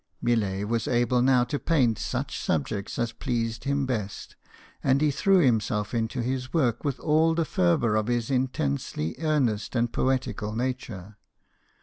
Millet was able now to paint such subjects as pleased him best, and he threw him self into his work with all the fervour of his intensely earnest and poetical nature.